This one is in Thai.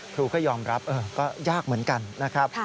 ครูก็ยอมรับก็ยากเหมือนกันนะครับ